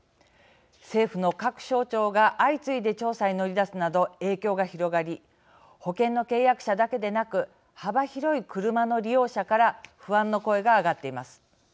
政府の各省庁が相次いで調査に乗り出すなど影響が広がり保険の契約者だけでなく幅広い車の利用者から不安の声が上がっています。